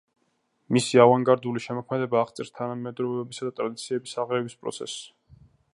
მისი ავანგარდული შემოქმედება აღწერს თანამედროვეობისა და ტრადიციების აღრევის პროცესს.